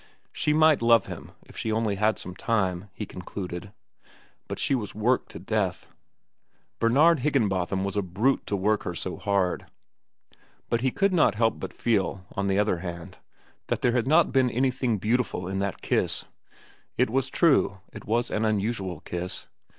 She might love him if she only had some time, he concluded. But she was worked to death. Bernard Higginbotham was a brute to work her so hard. But he could not help but feel, on the other hand, that there had not been anything beautiful in that kiss. It was true, it was an unusual kiss.